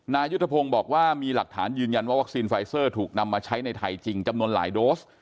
นายุทธพงศ์บอกว่ามีหลักฐานยืนยันว่าวัคซีนไฟเซอร์ถูกนำมาใช้ในไทยจริงจำนวนหลายโดส